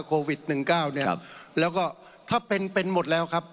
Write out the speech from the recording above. โควิดหนึ่งเก้าเนี่ยครับแล้วก็ถ้าเป็นเป็นหมดแล้วครับ